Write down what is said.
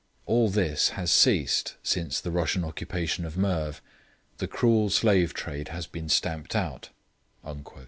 All this has ceased since the Russian occupation of Merv; the cruel slave trade has been stamped out....'